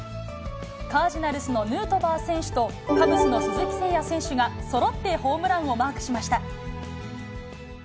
カージナルスのヌートバー選手と、カブスの鈴木誠也選手がそろってホームランをマークしました。